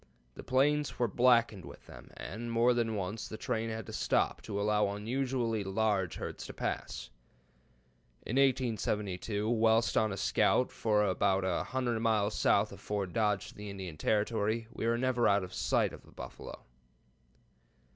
The plains were blackened with them, and more than once the train had to stop to allow unusually large herds to pass. In 1872, whilst on a scout for about a hundred miles south of Fort Dodge to the Indian Territory, we were never out of sight of buffalo."